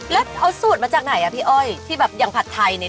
แล้วเอาสูตรมาจากไหนอ่ะพี่อ้อยที่แบบอย่างผัดไทยเนี่ย